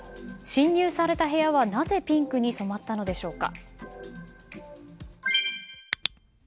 侵入された部屋は、なぜピンクに染まったのでしょうか。